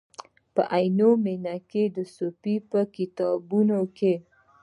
په عینومېنه کې د صحاف په کتابتون کې.